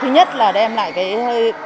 thứ nhất là đem lại cái